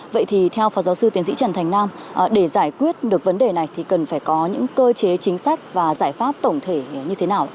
vậy thì theo phó giáo sư tiến sĩ trần thành nam để giải quyết được vấn đề này thì cần phải có những cơ chế chính sách và giải pháp tổng thể như thế nào